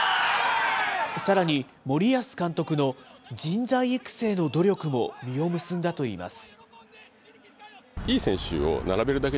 さらに森保監督の人材育成の努力も実を結んだといいます。